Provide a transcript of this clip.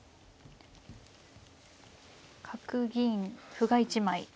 角銀歩が１枚。